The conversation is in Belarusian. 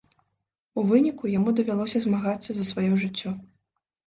У выніку, яму давялося змагацца за сваё жыццё.